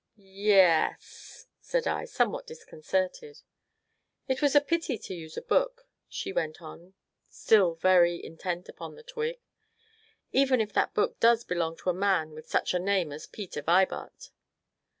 "Y e s!" said I, somewhat disconcerted. "It was a pity to use a book," she went on, still very, intent upon the twig, "even if that book does belong to a man with such a name as Peter Vibart."